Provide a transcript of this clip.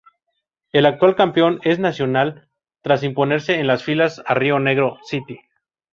El actual campeón es Nacional, tras imponerse en las finales a Río Negro City.